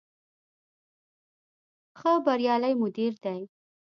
ښه بریالی مدیر دی.